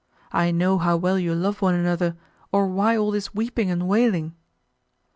I know how well you love one another, or why all this weeping and wailing?"